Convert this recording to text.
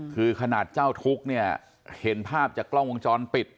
คือขนาดเจ้าทุกข์เนี่ยเห็นภาพจากกล้องวงจรปิด